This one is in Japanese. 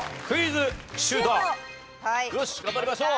よし頑張りましょう！